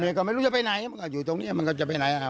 เมียก็ไม่รู้จะไปไหนอยู่ตรงนี้มันก็จะไปไหน